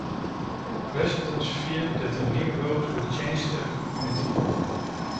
Residents feared that the new road would change their community.